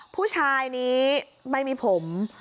ผู้ชายนี้ไม่มีผม